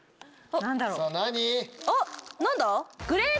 あっ何だ？